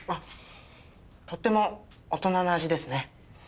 とっても大人の味ですね。